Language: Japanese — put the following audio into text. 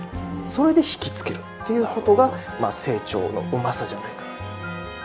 それで引き付けるっていうことがまあ清張のうまさじゃないかな。